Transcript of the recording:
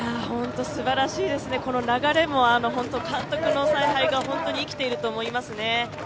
すばらしいですね、この流れも、監督の采配が本当に生きていると思いますね。